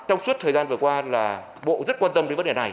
trong suốt thời gian vừa qua là bộ rất quan tâm đến vấn đề này